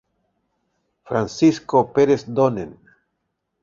He brought the traditional Byzantine technique to Venice.